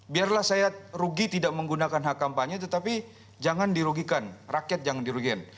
biarlah saya rugi tidak menggunakan hak kampanye tetapi jangan dirugikan rakyat jangan dirugikan